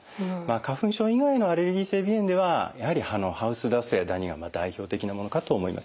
花粉症以外のアレルギー性鼻炎ではやはりハウスダストやダニが代表的なものかと思います。